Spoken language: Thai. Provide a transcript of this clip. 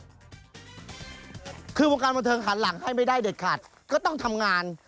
คือวงการบันเทิงหันหลังให้ไม่ได้เด็ดขาดก็ต้องทำงาน